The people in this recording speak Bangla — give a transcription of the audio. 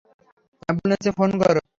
অ্যাম্বুলেন্স ফোন করো?